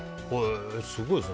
すごいですね。